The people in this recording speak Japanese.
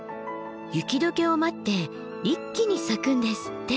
雪解けを待って一気に咲くんですって。